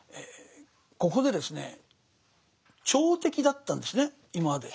ここでですね朝敵だったんですね今まで。